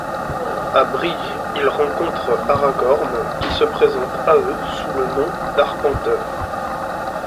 À Brie, ils rencontrent Aragorn qui se présente à eux sous le nom d'Arpenteur.